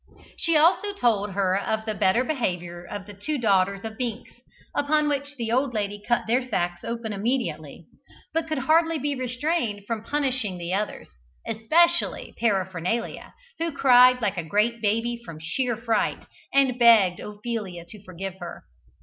She also told her of the better behaviour of the two daughters of Binks, upon which the old lady cut their sacks open immediately, but could hardly be restrained from punishing the others, especially Paraphernalia, who cried like a great baby from sheer fright and begged Ophelia to forgive her.